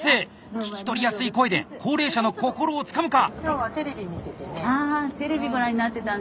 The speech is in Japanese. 聞き取りやすい声で高齢者の心をつかむか！